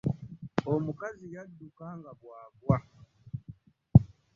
Omukazi yadduka nga bwagwa.